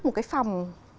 một cái phòng